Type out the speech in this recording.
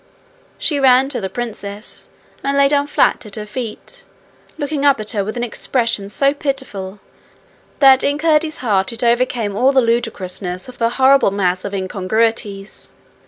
She ran to the princess, and lay down flat at her feet, looking up at her with an expression so pitiful that in Curdie's heart it overcame all the ludicrousness of her horrible mass of incongruities.